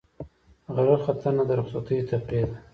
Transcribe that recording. غره ختنه د رخصتیو تفریح ده.